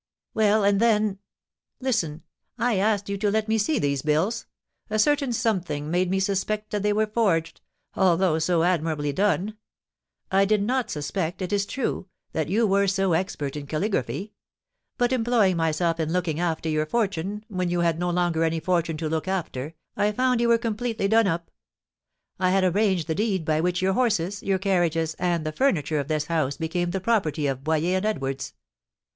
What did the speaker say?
'" "Well, and then " "Listen: I asked you to let me see these bills; a certain something made me suspect that they were forged, although so admirably done. I did not suspect, it is true, that you were so expert in calligraphy; but, employing myself in looking after your fortune when you had no longer any fortune to look after, I found you were completely done up! I had arranged the deed by which your horses, your carriages, and the furniture of this house became the property of Boyer and Edwards.